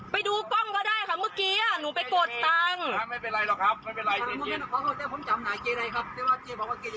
ไปดูกล้องก็ได้ค่ะเมื่อกี้หนูไปกดตังค์